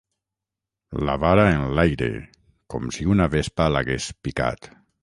La vara enlaire, com si una vespa l'hagués picat.